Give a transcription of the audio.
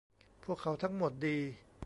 พวกเขาทั้งหมดดี